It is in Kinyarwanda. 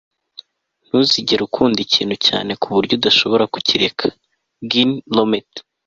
ntuzigere ukunda ikintu cyane ku buryo udashobora kukireka - ginni rometty